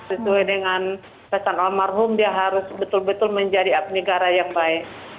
sesuai dengan pesan almarhum dia harus betul betul menjadi abdi negara yang baik